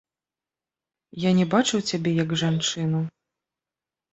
Я не бачыў цябе як жанчыну.